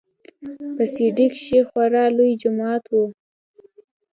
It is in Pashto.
په سي ډي کښې خورا لوى جماعت و.